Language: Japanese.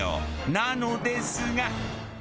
なのですが。